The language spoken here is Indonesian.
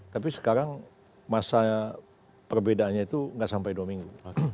tapi sekarang masa perbedaannya itu nggak sampai dua minggu